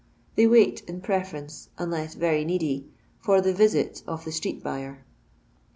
They wsit in preference, unless Tery needy, for the wiiit of the street buyer.